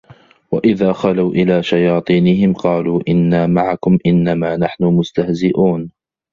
وَإِذَا خَلَوْا إِلَىٰ شَيَاطِينِهِمْ قَالُوا إِنَّا مَعَكُمْ إِنَّمَا نَحْنُ مُسْتَهْزِئُونَ